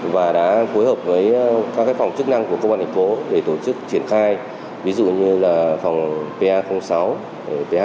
và đã phối hợp với các phòng chức năng của công an thành phố để tổ chức triển khai ví dụ như phòng ph sáu ph bốn